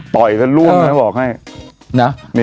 ต่อยแค่ล่วงในเลขบอกให้